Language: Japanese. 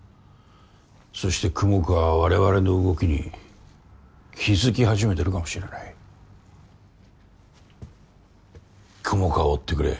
そして雲川は我々の動きに気付き始めてるかもしれない雲川を追ってくれ。